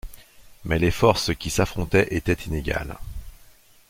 Mais les forces qui s'affrontaient étaient inégales.